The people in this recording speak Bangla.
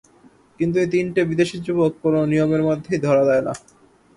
কিন্তু এই তিনটে বিদেশী যুবক কোনো নিয়মের মধ্যেই ধরা দেয় না।